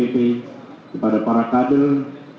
terima kasih kepada seluruh jajaran dpp